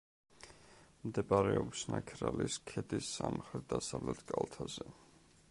მდებარეობს ნაქერალის ქედის სამხრეთ–დასავლეთ კალთაზე.